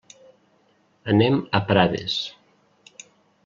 Anem a Prades.